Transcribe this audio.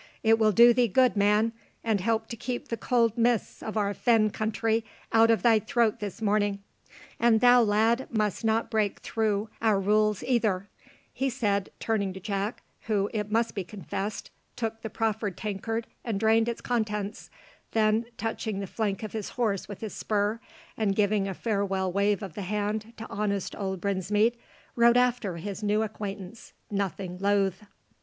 It will do thee good, man, and help to keep the cold mists of our fen country out of thy throat this morning; and thou, lad, must not break through our rules, either," he said, turning to Jack, who, it must be confessed, took the proffered tankard and drained its contents, then touching the flank of his horse with his spur, and giving a farewell wave of the hand to honest old Brinsmead, rode after his new acquaintance nothing loath.